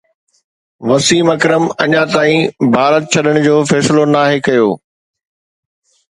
وسيم اڪرم اڃا تائين ڀارت ڇڏڻ جو فيصلو ناهي ڪيو